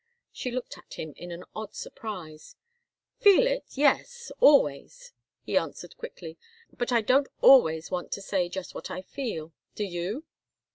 She looked at him in an odd surprise. "Feel it yes always," he answered, quickly. "But I don't always want to say just what I feel. Do you?"